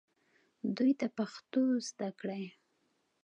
دوی ته پښتو زده کړئ